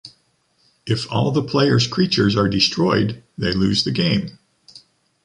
If all the player’s creatures are destroyed, they lose the game.